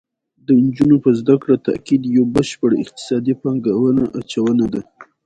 د نجونو په زده کړه تاکید یو بشپړ اقتصادي پانګه اچونه ده